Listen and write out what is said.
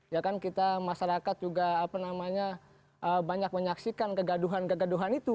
ya kan kita masyarakat juga apa namanya banyak menyaksikan kegaduhan kegaduhan itu